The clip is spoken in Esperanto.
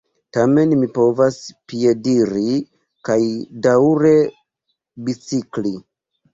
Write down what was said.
Tamen mi povas piediri kaj daŭre bicikli.